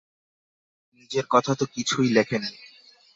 নিজের কথা তো কিছুই লেখেন নি!